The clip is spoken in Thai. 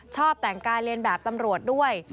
ชอบแต่งกายเลนแบบตำรวจด้วย